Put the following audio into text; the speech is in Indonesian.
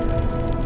aku akan menang